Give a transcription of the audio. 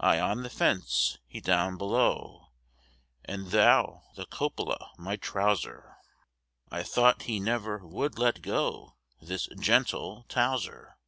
I on the fence, he down below, And thou the copula, my trouser, I thought he never would let go, This gentle Towser.